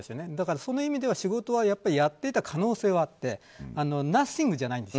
その意味では仕事はやっていた可能性はあってナッシングじゃないんです。